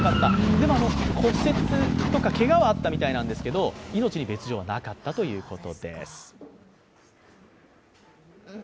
でも、骨折とかけがはあったみたいなんですけど命に別状はなかったということです。